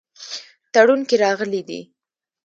تړون کې راغلي دي.